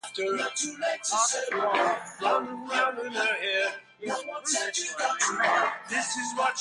The Cotswold stone building is cruciform in layout.